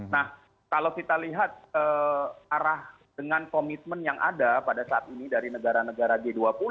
nah kalau kita lihat arah dengan komitmen yang ada pada saat ini dari negara negara g dua puluh